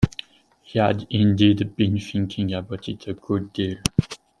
He had indeed been thinking about it a good deal.